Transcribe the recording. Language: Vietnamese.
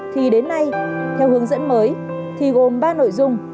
thì đến nay theo hướng dẫn mới thì gồm ba nội dung